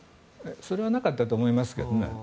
それはなかったと思いますけどね。